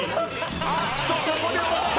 あっとここで押した！